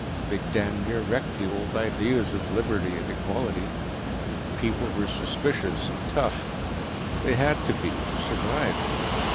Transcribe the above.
They damned near wrecked the old ideas of liberty and equality. People were suspicious and tough they'd had to be, to survive.